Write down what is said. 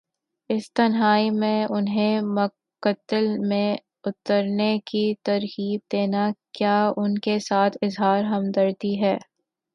اس تنہائی میں انہیں مقتل میں اترنے کی ترغیب دینا، کیا ان کے ساتھ اظہار ہمدردی ہے؟